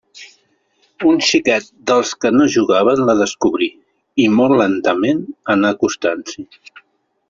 Un xiquet dels que no jugaven la descobrí, i molt lentament anà acostant-s'hi.